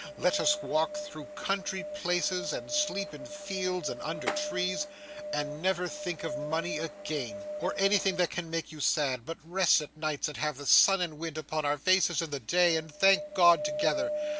Let us walk through country places, and sleep in fields and under trees, and never think of money again, or anything that can make you sad, but rest at nights, and have the sun and wind upon our faces in the day, and thank God together!